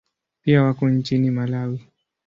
Pia wako nchini Malawi.